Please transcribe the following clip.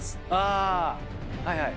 あはいはい。